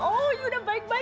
oh ya udah baik baik